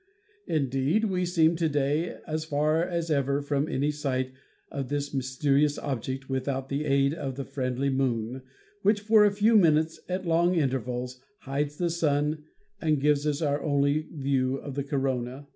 Indeed, we seem to day as far as ever from any sight of this mysterious object without the aid of the friendly Moon, which for a few minutes at long intervals hides the Sun and gives us our only view of the corona.